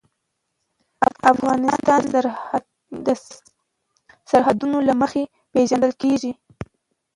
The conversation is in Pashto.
افغانستان د سرحدونه له مخې پېژندل کېږي.